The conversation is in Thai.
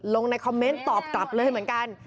ลงในคอมเม้นต์ตัว้รบขวานล่ะเลยเหมือนกัน